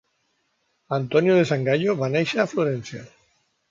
Antonio da Sangallo va néixer a Florència.